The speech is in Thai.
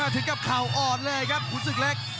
ถึงกับเข่าอ่อนเลยครับขุนศึกเล็ก